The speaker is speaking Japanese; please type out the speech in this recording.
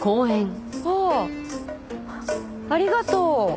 ああありがとう。